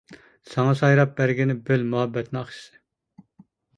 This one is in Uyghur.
ساڭا سايراپ بەرگىنى بىل مۇھەببەت ناخشىسى.